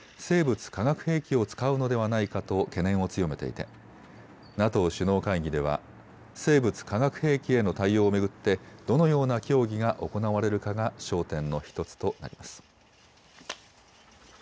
生物・化学兵器を使うのではないかと懸念を強めていてＮＡＴＯ首脳会議では生物・化学兵器への対応を巡ってどのような協議が行われるかが焦点の１つとなります。